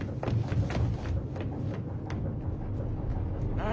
うん。